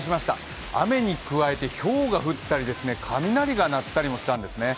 １雨に加えて、ひょうが降ったり、雷が鳴ったりもしたんですね。